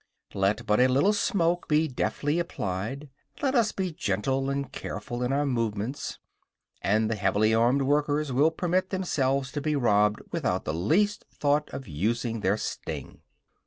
Let but a little smoke be deftly applied, let us be gentle and careful in our movements, and the heavily armed workers will permit themselves to be robbed without the least thought of using their sting.